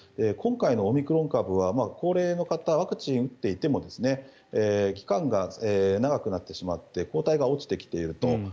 今回のオミクロン株は高齢の方ワクチンを打っていても期間が長くなってしまって抗体が落ちてきていると。